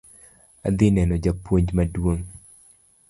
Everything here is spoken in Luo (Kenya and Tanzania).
Adhi neno japuonj maduong'